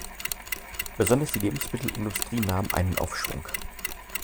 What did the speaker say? Besonders die Lebensmittelindustrie nahm einen Aufschwung.